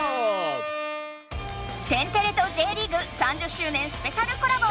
「天てれ」とＪリーグ「３０周年スペシャルコラボ」